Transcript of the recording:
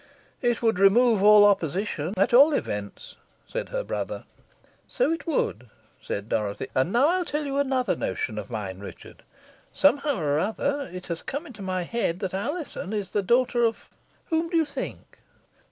"It would remove all opposition, at all events," said her brother. "So it would," said Dorothy; "and now I'll tell you another notion of mine, Richard. Somehow or other, it has come into my head that Alizon is the daughter of whom do you think?"